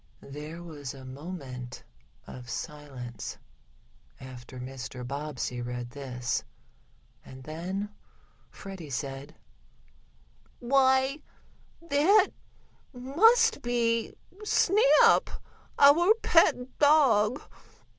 There was a moment of silence after Mr. Bobbsey read this, and then Freddie said: "Why that must be Snap our pet dog!